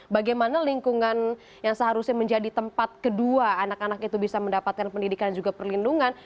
bagaimana lingkungan yang seharusnya menjadi tempat kedua anak anak itu bisa mendapatkan pendidikan dan juga perlindungan